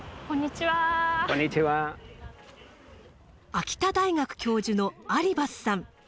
秋田大学教授のアリバスさん。